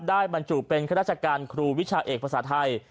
บรรจุเป็นข้าราชการครูวิชาเอกภาษาไทย